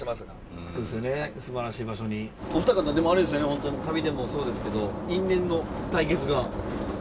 ホントに旅でもそうですけど因縁の対決が？